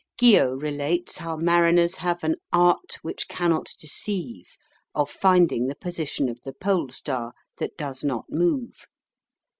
Guiot relates how mariners have an "art which cannot deceive" of finding the position of the polestar, that does not move.